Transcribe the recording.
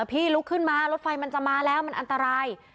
ลุกขึ้นมารถไฟมันจะมาแล้วมันอันตราย